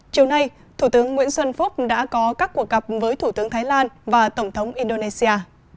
chiều nay thủ tướng nguyễn xuân phúc đã có các cuộc gặp với thủ tướng thái lan và tổng thống indonesia